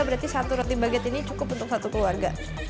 berarti satu roti baget ini cukup untuk satu keluarga